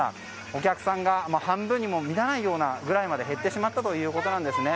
お客さんが半分にも満たないぐらい減ってしまったということなんですね。